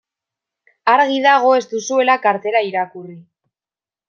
Argi dago ez duzuela kartela irakurri.